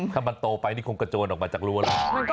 ถ้ามันโตไปนี่คงกระโจนออกมาจากรั้วแล้ว